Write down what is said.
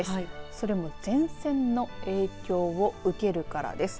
それも前線の影響を受けるからです。